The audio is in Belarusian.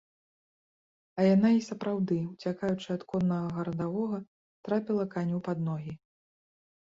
А яна, і сапраўды, уцякаючы ад коннага гарадавога, трапіла каню пад ногі.